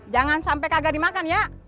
jangan sampai kagak dimakan ya